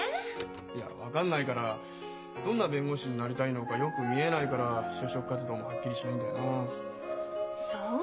いや分かんないからどんな弁護士になりたいのかよく見えないから就職活動もはっきりしないんだよな。